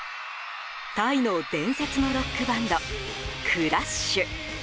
タイの伝説のロックバンドＣＬＡＳＨ。